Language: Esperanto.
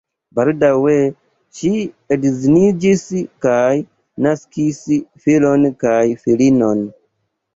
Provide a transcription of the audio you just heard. Baldaŭe ŝi edziniĝis kaj naskis filon kaj filinon.